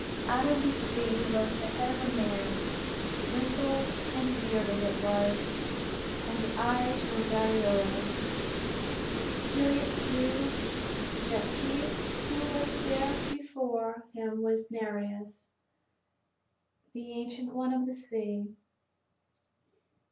Out of the sea rose the head of a man; wrinkled and bearded it was, and the eyes were very old. Peleus knew that he who was there before him was Nereus, the ancient one of the sea.